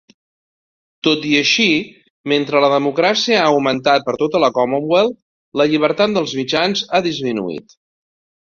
Tot i així, mentre la democràcia ha augmentat per tota la Commonwealth, la llibertat dels mitjans ha disminuït.